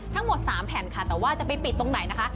ทั้งหมด๓แผ่นค่ะแต่ว่าจะไปปิดตรงไหนนะคะ